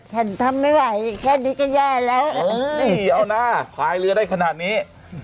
ทำไม่ไหวแค่นี้ก็แย่แล้วนี่เอานะพายเรือได้ขนาดนี้